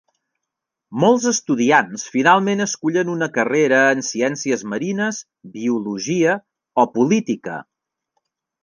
Molts estudiants finalment escullen una carrera en ciències marines, biologia o política.